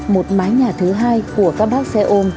một mái nhà thứ hai của các bác xe ôm